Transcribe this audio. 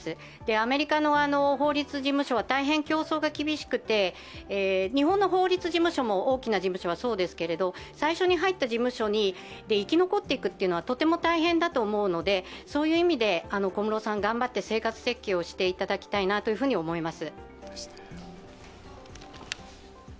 アメリカの法律事務所は大変競争が厳しくて日本の法律事務所も大きな事務所はそうですけど最初に入った事務所で生き残っていくというのはとても大変だと思うのでそういう意味で小室さん頑張って生活設計をしていただきたいと思います。